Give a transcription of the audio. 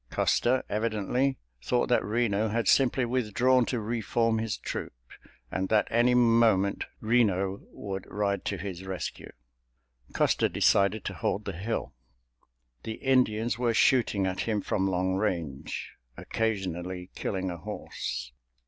Custer, evidently, thought that Reno had simply withdrawn to re form his troop, and that any moment Reno would ride to his rescue. Custer decided to hold the hill. The Indians were shooting at him from long range, occasionally killing a horse.